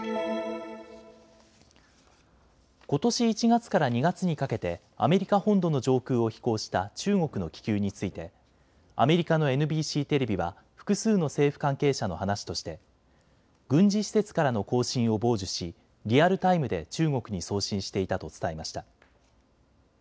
ことし１月から２月にかけてアメリカ本土の上空を飛行した中国の気球についてアメリカのＮＢＣテレビは複数の政府関係者の話として軍事施設からの交信を傍受しリアルタイムで中国に送信していたと伝えました。